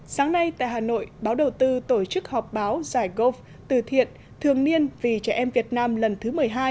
sáng nay tại hà nội báo đầu tư tổ chức họp báo giải golf từ thiện thường niên vì trẻ em việt nam lần thứ một mươi hai